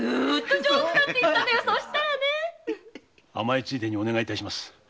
甘えついでにお願いいたします。